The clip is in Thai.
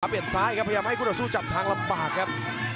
เปลี่ยนซ้ายครับพยายามให้คุณสู้จับทางหลับปากครับ